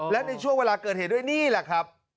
และในช่วงเวลาเกิดเหตุด้วยนี่แหละครับ